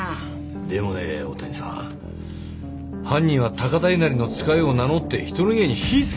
でもね大谷さん犯人は高田稲荷の遣いを名乗って人の家に火をつけてるんですよ。